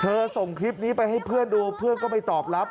ส่งคลิปนี้ไปให้เพื่อนดูเพื่อนก็ไปตอบรับ